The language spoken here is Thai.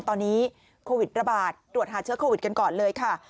ตอนนี้โควิดระบาดตรวจหาเชื้อโควิดกันก่อนเลยค่ะ